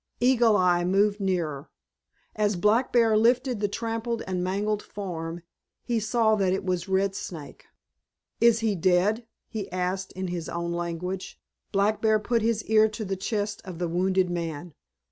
Eagle Eye moved nearer. As Black Bear lifted the trampled and mangled form he saw that it was Red Snake. "Is he dead?" he asked in his own language. Black Bear put his ear to the chest of the wounded man.